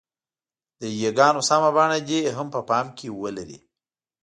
د ی ګانو سمه بڼه دې هم په پام کې ولري.